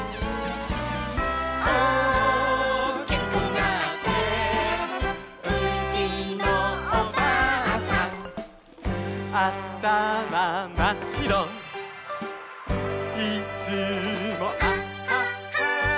「おおきくなってうちのおばあさん」「あたままっしろ」「いつも」「あっはっは」